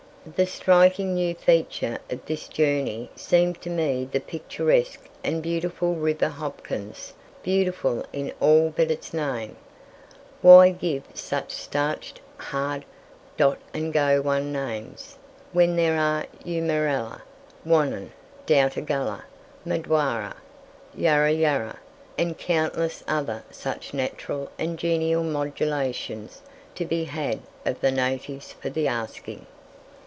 The striking new feature of this journey seemed to me the picturesque and beautiful River Hopkins beautiful in all but its name! Why give such starched, hard, dot and go one names, when there are Eumerella, Wannon, Doutagalla, Modewarra, Yarra Yarra, and countless other such natural and genial modulations to be had of the natives for the asking?